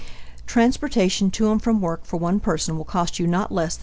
Transportation to and from work for one person will cost not less than $2.